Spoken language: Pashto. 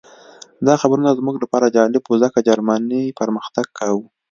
دا خبرونه زموږ لپاره جالب وو ځکه جرمني پرمختګ کاوه